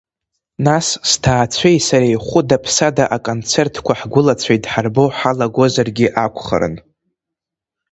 Нас, сҭаацәеи сареи хәыда-ԥсада аконцертқәа ҳгәылацәа идҳарбо ҳалагозаргьы акәхарын…